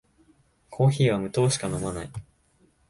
コーヒーは無糖しか飲まない